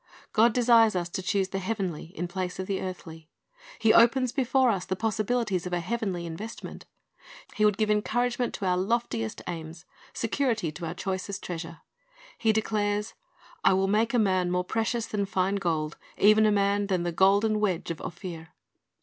"' God desires us to choose the heavenly in place of the earthly. He opens before us the possibilities of a heavenly investment. He would give encouragement to our loftiest aims, security to our choicest treasure. He declares, "I will make a man more precious than fine gold; even a man than the golden wedge of Ophir."